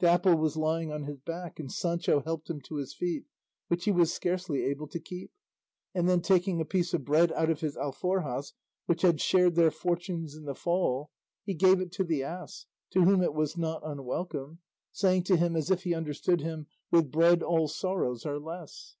Dapple was lying on his back, and Sancho helped him to his feet, which he was scarcely able to keep; and then taking a piece of bread out of his alforjas which had shared their fortunes in the fall, he gave it to the ass, to whom it was not unwelcome, saying to him as if he understood him, "With bread all sorrows are less."